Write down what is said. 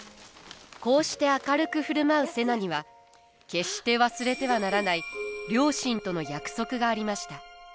こうして明るく振る舞う瀬名には決して忘れてはならない両親との約束がありました。